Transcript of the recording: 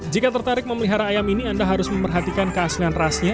jika tertarik memelihara ayam ini anda harus memperhatikan keaslian rasnya